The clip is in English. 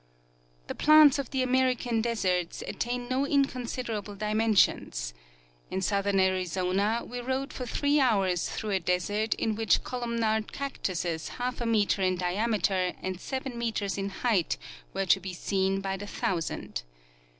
Tlie plants of the American deserts attain no inconsiderable dimensions. In southern Arizona we rode for three hours through a desert in which columnar cactuses half a meter in diameter and 7 meters in height were to be seen by the thou sand.